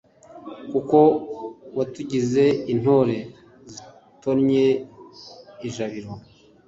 kuko watugize intore zitonnye i jabiro